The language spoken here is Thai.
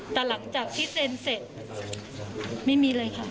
แต่หลังจากที่เซ็นเสร็จไม่มีเลยค่ะ